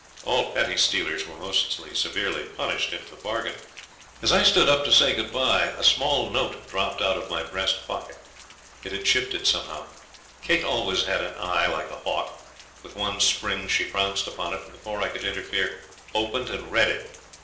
All petty stealers were most severely punished into the bargain. As I stood up to say good bye a small note dropped out of my breast pocket. It had shifted somehow. Kate always had an eye like a hawk. With one spring she pounced upon it, and before I could interfere opened and read it!